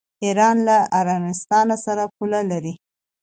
ایران له ارمنستان سره پوله لري.